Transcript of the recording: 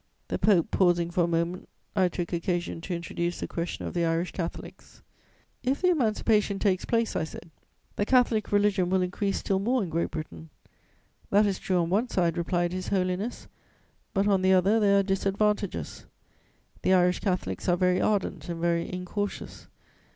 "The Pope pausing for a moment, I took occasion to introduce the question of the Irish Catholics: "'If the emancipation takes place,' I said, 'the Catholic religion will increase still more in Great Britain.' [Sidenote: Pope Leo XII. on Ireland.] "'That is true on one side,' replied His Holiness, 'but on the other there are disadvantages. The Irish Catholics are very ardent and very incautious.